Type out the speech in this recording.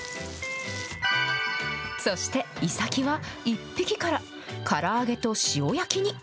そして、イサキは、１匹から、から揚げと塩焼きに。